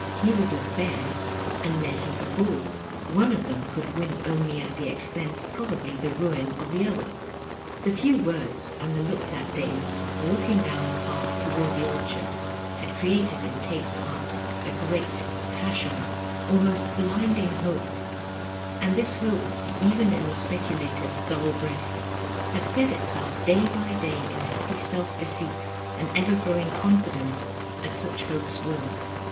He was a ^^ bear " and Les lie a " bxdl ''; one of them could win only at the expense, probably the ruin, of the other. The few words and the look that day, walking down the path toward the or chard, had created in Tate's heart a great, passionate, almost blinding, hope, and this hope, even in the specu lator's dull breast, had fed itself day by day in happy self deceit and ever growing confidence, as such hopes will.